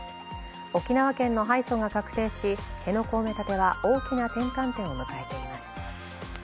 沖縄県の敗訴が確定し辺野古埋め立ては大きな転換点を迎えています